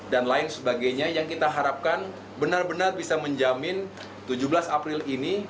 dan lain sebagainya yang kita harapkan benar benar bisa menjamin tujuh belas april ini